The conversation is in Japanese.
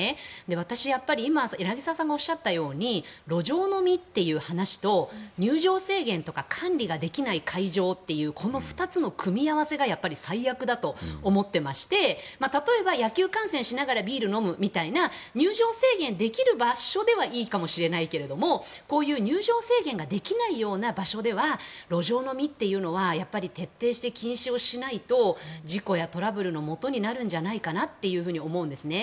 私、やっぱり今柳澤さんがおっしゃったように路上飲みという話と入場制限とか管理ができない会場っていうこの２つの組み合わせがやっぱり最悪だと思ってまして例えば、野球観戦しながらビールを飲むみたいな入場制限できる場所ではいいかもしれないけれどもこういう入場制限ができないような場所では路上飲みというのは徹底して禁止しないと事故やトラブルのもとになるんじゃないかなと思うんですね。